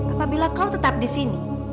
apabila kau tetap disini